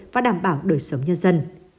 và đảm bảo đời sống nhân dân